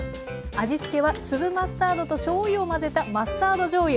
味付けは粒マスタードとしょうゆを混ぜたマスタードじょうゆ。